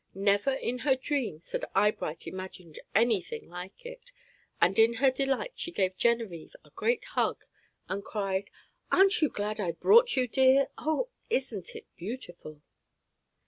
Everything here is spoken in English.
Never, even in her dreams, had Eyebright imagined any thing like it, and in her delight she gave Genevieve a great hug, and cried: "Aren't you glad I brought you, dear, and oh, isn't it beautiful?"